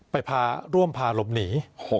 ไปพาร่วมพารบหนี